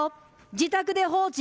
自宅で放置。